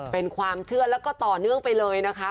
เป็นความเชื่อแล้วก็ต่อเนื่องไปเลยนะคะ